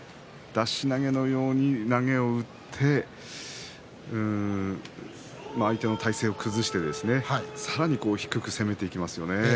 出し投げのように投げを打って相手の体勢を崩してさらに低く攻めていきますね。